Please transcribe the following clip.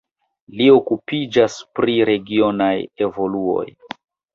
Li okupiĝas pri regionaj evoluoj.